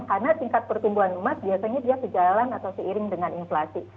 karena tingkat pertumbuhan emas biasanya dia sejalan atau seiring dengan inflasi